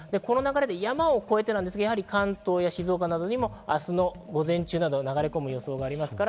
山を越えてなんですが関東や静岡などにも明日の午前中に流れ込む予想があります。